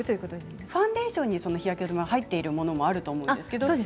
ファンデーションに日焼け止めが入っているものもあると思うんですが。